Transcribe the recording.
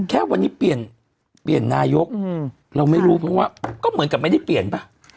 แค่วันนี้เปลี่ยนเปลี่ยนนายกเราไม่รู้เพราะว่าก็เหมือนกับไม่ได้เปลี่ยนป่ะ